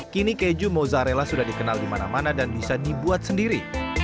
kini keju mozzarella sudah dikenal di mana mana dan bisa dibuat sendiri